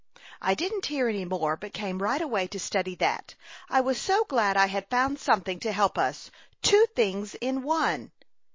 I didn't hear any more, but came right away to study that. I was so glad I had found something to help us. Two things in one.